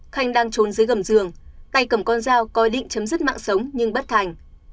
khanh đang trốn dưới gầm giường tay cầm con dao coi định chấm dứt mạng sống nhưng bất thành